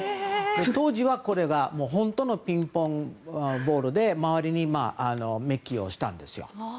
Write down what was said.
当時はこれが本当のピンポン球で周りにメッキをしたんですよ。